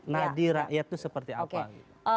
nah di rakyat itu seperti apa